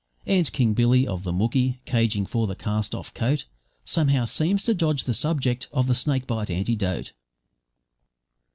And King Billy, of the Mooki, cadging for the cast off coat, Somehow seems to dodge the subject of the snake bite antidote.